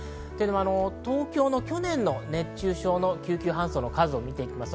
東京の去年の熱中症の救急搬送の数を見ていきます。